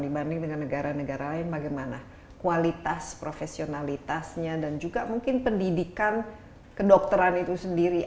dibanding dengan negara negara lain bagaimana kualitas profesionalitasnya dan juga mungkin pendidikan kedokteran itu sendiri